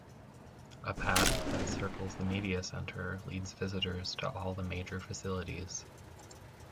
A path that circles the media center leads visitors to all the major facilities.